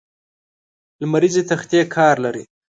لمریزې تختې کار لري.